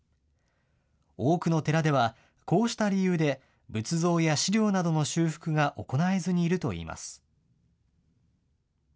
多くの寺では、こうした理由で仏像や史料などの修復が行えずにいるといいます。